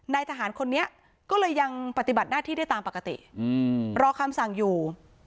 นายทหารคนนี้ก็เลยยังปฏิบัติหน้าที่ได้ตามปกติรอคำสั่งอยู่